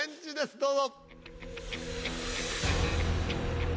どうぞ。